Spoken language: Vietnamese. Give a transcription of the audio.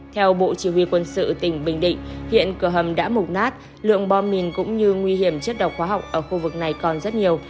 theo bộ chỉ huy quân sự tỉnh bình định hiện cửa hầm đã mục nát lượng bom mìn cũng như nguy hiểm chất độc hóa học ở khu vực này còn rất nhiều